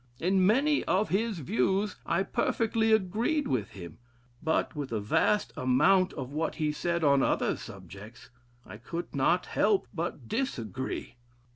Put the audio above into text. In many of his views I perfectly agreed with him? but with a vast amount of what he said on other subjects, I could not help but disagree....